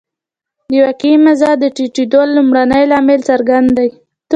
د واقعي مزد د ټیټېدو لومړنی لامل څرګند دی